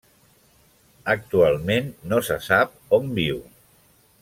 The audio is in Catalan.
Actualment no se sap on viu.